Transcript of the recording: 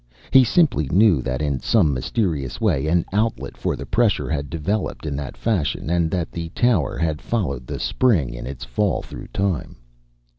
He simply knew that in some mysterious way an outlet for the pressure had developed in that fashion, and that the tower had followed the spring in its fall through time.